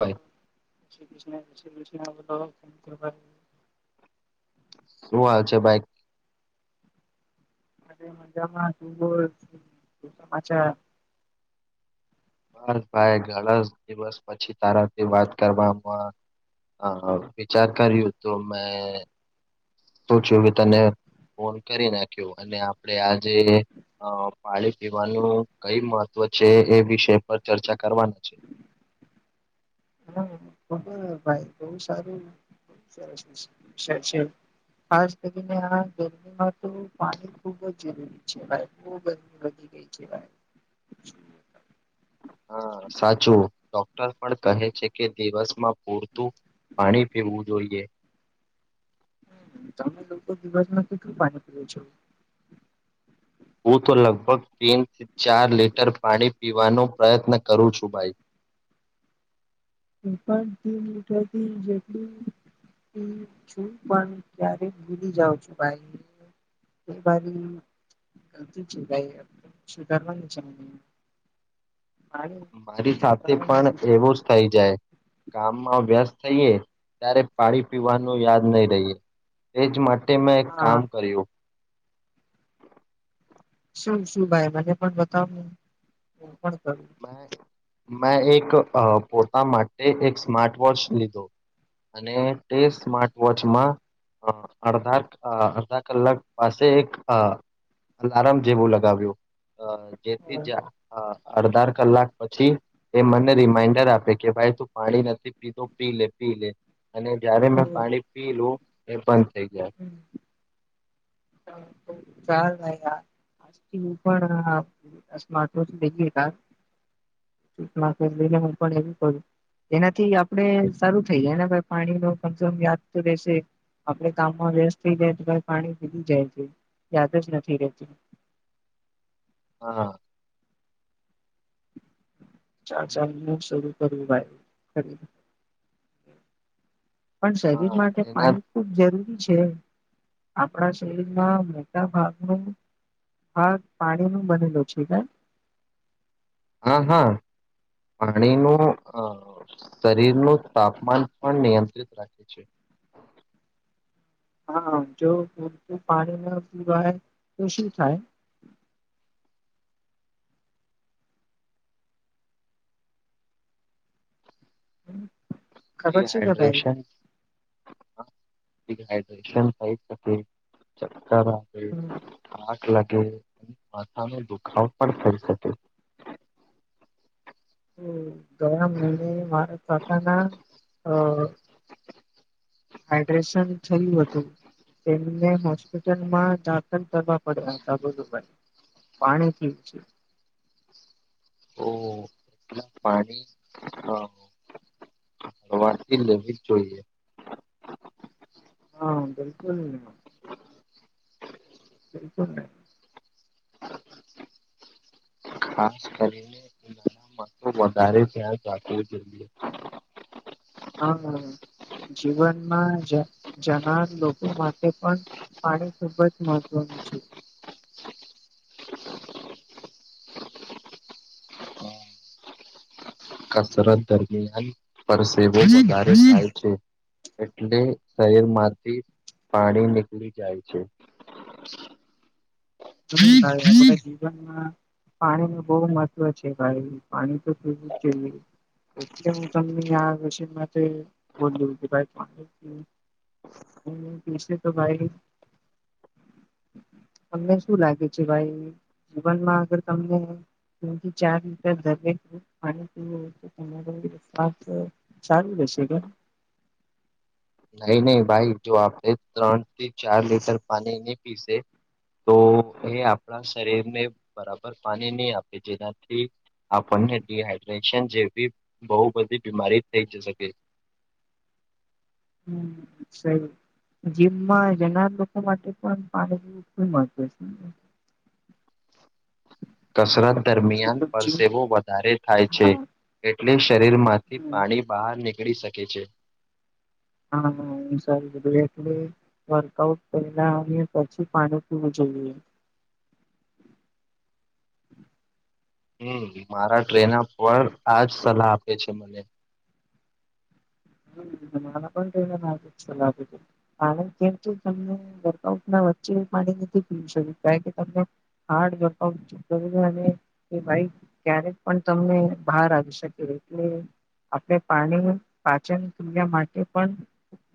ભાઈ શું હાલ છે બાઈક મજામાંુંા હ ભાઈ ઘણા દિવસ પછી તારાથી વાત કરવામાં હ વિચાર કર્યું તો મેં પૂચ્યું કે તને ફોન કરી નાખ્યો અને આપડે આ જે અ પાણી પીવાનું કઈ મહ વ છે એ વિષય પર ચર્ચા કરવાના છે. હા [unintelligible] ભાઈ બહ સારું છે. ખાસ કરીને આ ગરમીમાં તો પાણી ખુબ જ જરૂરી છે ભ બ ગરમી વધી ગઈ છે ભાઈ [inaudible] હા સાચું ડોક્ટર પણ કહે છે કે દિવસમાં પૂરતું પાણી પીવું જોઈએ. તમે લોકો દિવસ કેટલું પાણી પીવો છો? હું તો લગભગ તીન થી ચાર લીટર પાણી પીવાનો પ્રયત્ન કરું છું ભાઈ. [inaudible] એ પણ [unintelligible] જેટલું છું પણ ક્યારે ભૂલી જાઉં છું ભાઈ. [unintelligible] [unintelligible] સુધારવાની છે. હા મારી સાથે પણ એવું જ થઈ જાય કામમાં વ્યસ્ત થઈએ ત્યારે પાણી પીવાનું યાદ નહી રહીએ. એજ માટે મેં એક કામ કર્યું. શું શું ભાઈ મને પણ બતાવ? મેં એક અ પોતા માટે એક સ્માર્ટ વોચ લીધી. અને તે સ્માર્ટ વોચમાં અ અડધા અડધા કલાક પાસે એક અ અલાર્મ જેવું લગાવ્યું જેથી જ અડધાર કલાક પછી એ મને રિમાઈન્ડર આપે કે ભાઈ તું પાણી નથી પીધ પી લે પી. લે અને જ્યારે મેં કરું પાણી પીલું એ બંધ થઈ જાય. ચાલ યાર. [unintelligible] ફેમને હું પણ એવું કરું. એનાથી આપણે સારું થઈ જાયને ભ પાણી ન કમસમ યાદ તો રશે. આપડે કામમાં વ્યસ્ત થઇ જાય તો ભ પાણી જય જ યાદ જ નથી રહેતી. હા. ચાર ચાર મિનટ શરૂ કરું ભાઈ. પણ શરીર હા માટે એના પાણી ખુબ જરૂરી છે. આપણા શરીરમાં મોટા ભાગનું હા પાણી નું બનેલું થાય. હા હા. પાણીનું શરીરનું તાપમાન પણ નિયંત્રિત રાખે છે. [inaudible] હા જો પૂરતું પાણીમાં પીવાય તો શું થાય? [inaudible] [inaudible] ખબર છે કે ભાઈ ડીહાઇડ્રેશન હડ્રેશન થઈ શકે ચક્ક હમ, લ આગ લાગે કે માથા નો દુખાવ પણ થઈ શકે. જોયા મહને મારા પોતાના અ હાઈડ્રેશન થયું હતું. તેમને હોસ્પિટલમાં દાખલ કરવા પડ્યા હતા ગુરુબાઈ પાણી થી છે. ઓ [unintelligible] પાણી [unintelligible] વારતી લેવી જ જોઈએ. હા [unintelligible] [inaudible] બિલકુલ [inaudible] ખાસ કરીને ઉનાળામાં તો [unintelligible] રાખવું જોઈએ. [inaudible] હમ જીવનમાં [unintelligible] જનાર લોકો માટે પણ. પાણી ખુબ જ મહત્વનું છે. કસરત દરમિયાન પરસેવો વધારે થાય છે. એટલે શરીરમાંથી પાણી નીકળી જાય છે. [inaudible] હમ ભાઈ નહી આપડા જીવનમાં પાણી ન બહુ મહત્વ છે, ભાઈ પાણી [unintelligible] એટલે હું તમને [inaudible] [inaudible] તો ભાઈ [unintelligible] શું લાગે છે, ભાઈ જીવનમાં આગર તમને. [unintelligible] ચાર લીટર દરેક પાણી પીવું [inaudible] રહે [inaudible] [unintelligible] નહીં નહીં ભાઈ જો આપણે ત્રણ થી ચાર લીટર પાણી નહી પીશે. તો એ આપણા શરીરને બરાબર પાણી નહી આપે જેનાથી. આપણને ડડીહાઈડ્રેશન જેવી બહુ બધી બીમારી થઈ જ શકે છે. [unintelligible] હમ સઈ. જીમમાં જનાર લોકો માટે પણ પાણી [unintelligible] કસરત છે દરમિયાન જે જીમ પરસેવો વધારે થાય છે. હા એટલે શરીરમાંથી પાણી બહાર નીકળી શકે છે. હા સારું [unintelligible] વર્કઆઉટ પેલા આવી પછી પાણી પીવું જોઈએ. છે હમ મારા [unintelligible] પર આજ સલાહ આપે છે, મને. [inaudible] પણી કાર કેમ [unintelligible] વચ્ચે [unintelligible] નથી પી [unintelligible] કારણ કે તમને. હાર્ડ અને એ બાઈક ક્યારેક પણ તમને બહાર આવી શકે. એટલે [unintelligible] પાણી. પાચન [unintelligible] માટે પણ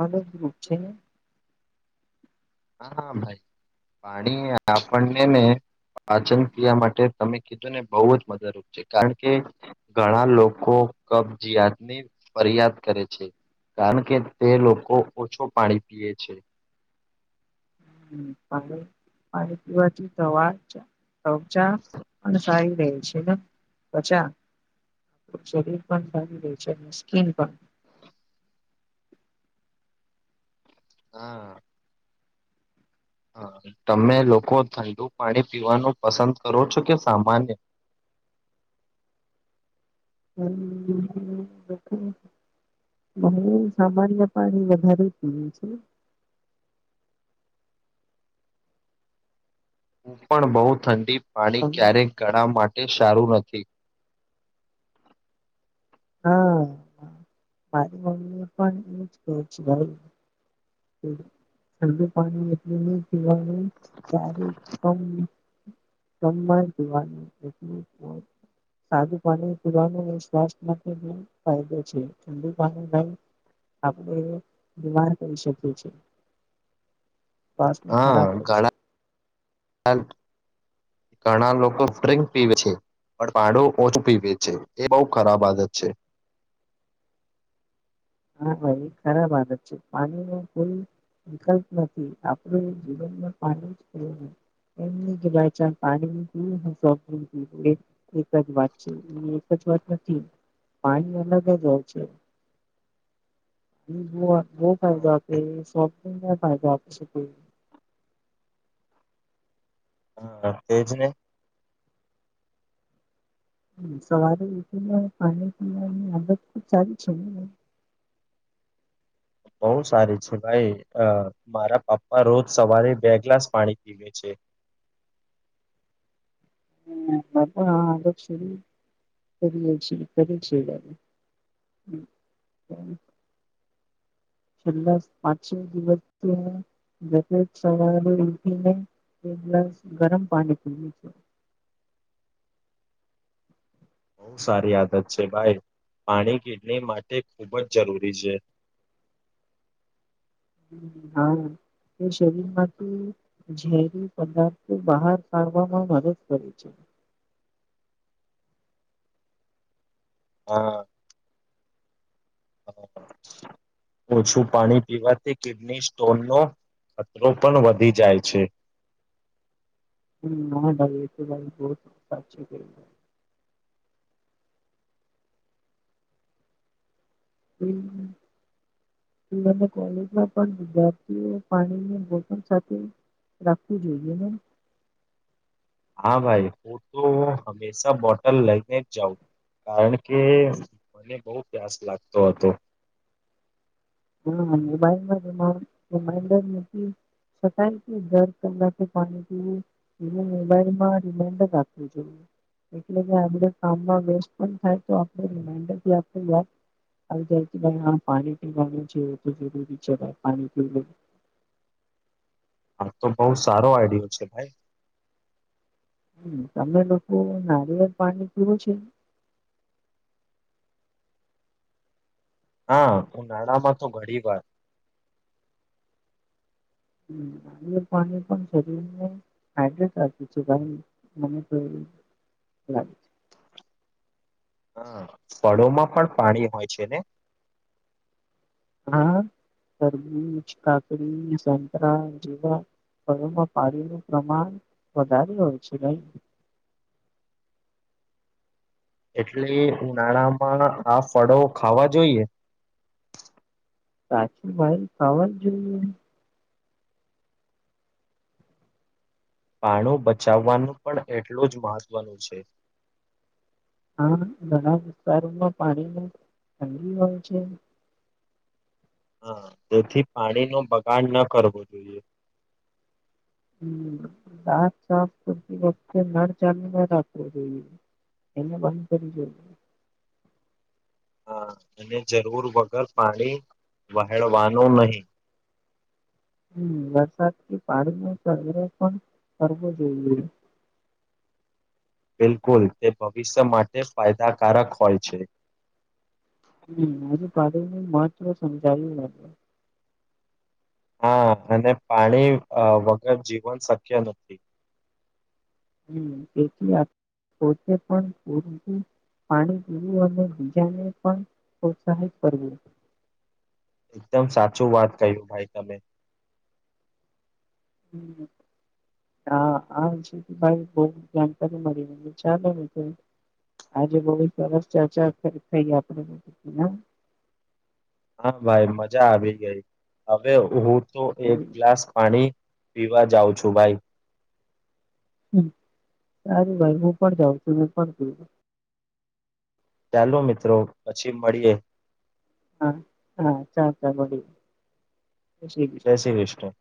મદદરૂપ છે, હા ભાઈ પાણી આપણને ને પાચન ક્રિયા માટે તમે કીધું ને બહુ જ મદદરૂપ છે, કારણ કે ઘણા લોકો. કબજીયાત ની ફરિયાદ કરે છે. કારણ કે તે લોકો ઓછો પાણી પીએ છે. [unintelligible] પીવાથી તવા તોચા અને સારી [unintelligible] છે, [unintelligible] શરીર પણ સારી રહે છે, અને સ્કીન પણ. [unintelligible] હા [unintelligible] તમે લોકો ઠંડુ પાણી પીવાનું પસંદ કરો છો કે સામાન્ય. [unintelligible] [inaudible] બહુ સામાન્ય પાણી વધારે પીયું છે. હું પણ બહુ ઠંડી પાણી હમ, ક્યારેક ગળા માટે એ સારું નથી. હા મારી મમ્મી પણ એું જ ક છે. હમ ઠંડુ પાણી એટલું નહી પીવાનું ક્યારે સમાન જીવાની એટલ સાદું પાણી પીવાનું સ્સ્થ માટે ફાયદો છે ઠડુ પાણી ન આપણે બીમાર કરી શકીએ છેએ હા કડા ઘણા લોકો ડ્રિંક પીવે છે પણ પાડો ઓછું પીવે છે એ બહ ખરાબ આદત છે [unintelligible] ખરાબ આ છે પાણીલ વિકલ્પ નથી આપણું એ જીવનમાં પાણી જું એ ગવા પાણી એક જ વા નથી પાણી અલગ જ હોય છે ફાયદો હા આપે ફાયદો આપ અછ હા તેજ ને સવારે ઉઠી પાણી પીવાની આદત સારી છે બઉ સારી છે ભાઈ અ મારા પપ્પા રોજ સવારે બે ગ્લાસ પાણી પીવે છે [unintelligible] હબાગ કરીએ કરી છે હ એ છેલ્લા પાંચમ દિવસથી સવા ઉઠીને એક ગ્લાસ ગરમ પાણી પી લ છેું [unintelligible] બહુ સારી આદત છે ભાઈ પાણી કિડની માટે ખૂબ જ જરૂરી છે હા તે શરીરમાંથી ઝેરી પદાર્થો બહાર કાઢવામાં મદદ કરે છે [unintelligible] હા ઓછું પાણી પીવાથી કિડની સ્ટોન નો ખતરો પણ વધી જાય છે હમ ના ભાઈ એ તો ભાઈ બહ સાચી ગ હમ હ કોલેજમાં પણ વિદ્યાર્થીઓ પાણી સાથે રાખવું જોઈએ મેમ હા ભાઈ હું તો હંમેશા બોટલ લઈને જ જાઉં કારણ કે મને બહુ પ્યાસ લાગતો હતો હા રમાન્ડર નથી છકથી દર કલાકે પાણી પીવું એ મોબાઈલમાં રિમાઈન્ડર આપવું જોઈએ એલે આપ કામમાં વેસ્ટ પણ થાય તો આપ રમાન્ડરથી આપ હ જથી હ પાણી પીવા જે તો જરૂરી ચ પાણી પી લ હા તો બહુ સારો આઈડિયો છે ભાઈ હમ તમે લોકો નારિર પાણી પીવું છે હા ઉ નાળામાં તો ઘણી વાર હમ પાણી પણ સરી હટું ભાઈ મને તો લાગે છે. હા ફળોમાં પણ પાણી હોય છે ને હા તરબૂજ કાકડી સંતરા જેવા ઘમાં પાણીનું પ્રમાણ વધારે હોય છે નઈ [unintelligible] એટલે ઉનાળામાં આ ફળો ખાવા જોઈએ. સાચુ ભાઈ ખાવા જોઈએ. પાણું બચાવવાનું પણ એટલું જ મહત્વનું છે. હા ઘણા વિસ્તારોમાં પાણીની તંગી હોય છે હા તેથી પાણીનો બગાડ ન કરવો જોઈએ. હમ દાંત સાફ કરતી વખતે નળ ચાલુ ન રાખવો જોઈએ એને બંધ કરી જો [unintelligible] હા અને જરૂર વગર પાણી વહેળવાનું નહી [unintelligible] હમ વરસાદથી પાણી ન સંગ્ર પણ કરવો જોઈએ [unintelligible] બિલકુલ તે ભવિષ્ય માટે ફાયદાકારક હોય છે. હમ આજુ પાડીને માત્ર સમજાવ લાગે હા અને પાણી અ વગર જીવન શક્ય નથી હમ તેથી પોતે પણ પૂરું પાણી પીવું અને બીજાને પણ પ્રોત્સાહિત કરવું એકદમ સાચું વાત કહ્યું ભાઈ તમે હમ. હા આ જ ભાઈ બહુ જાણકારી મળી ચાલે ને તો આજે બહુ સરસ ચર્ચા થઈ આપણે હા ભાઈ મજા આવી ગઈ હવે હું તો એક ગ્લાસ પાણી પીવા જાઉં છું ભાઈ હ સારું ભાઈ હું પણ જાઉં છું મે પણ ચાલો મિત્રો પછી મળીએ હા હા [unintelligible] જય કૃષ્ણ. શ્રી કૃષ્ણ